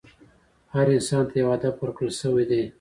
هر انسان ته یو هدف ورکړل شوی دی.